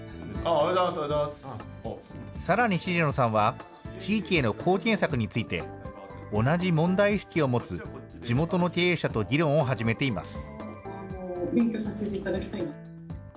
さらに重野さんは、地域への貢献策について、同じ問題意識を持つ、地元の経営者と議論を始めています。